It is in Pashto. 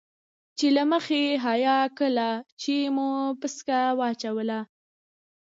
چې له مخې حيا کله چې مو پسکه واچوله.